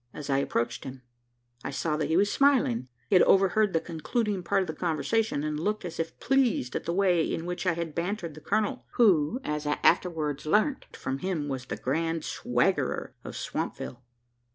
As I approached him, I saw that he was smiling. He had overheard the concluding part of the conversation; and looked as if pleased at the way in which I had bantered the "colonel," who, as I afterwards learnt from him, was the grand swaggerer of Swampville.